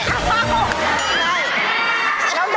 ไม่ใช่